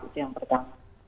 itu yang pertama